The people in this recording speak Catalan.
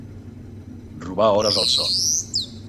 Robar hores al son.